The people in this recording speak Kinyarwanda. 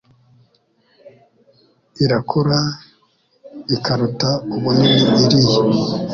Irakura ikaruta ubunini iriya